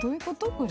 これ。